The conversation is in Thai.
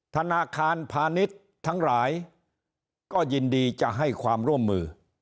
ธนาคารพาณิชย์ทั้งหลายก็ยินดีจะให้ความร่วมมือ